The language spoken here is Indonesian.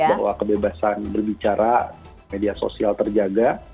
kita berharap bahwa kebebasan berbicara media sosial terjaga